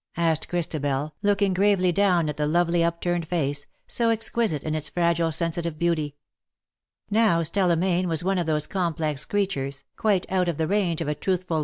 asked Christabel, looking gravely down at the lovely up turned face — so exquisite in its fragile sensitive beauty. Now Stella Mayne was one of those complex creatures^ quite out of the range of a truthful 288 '' LOVE IS LOVE FOR EVERMORE."